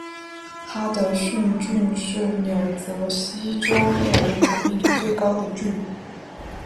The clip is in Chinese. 哈德逊郡是纽泽西州内人口密度最高的郡。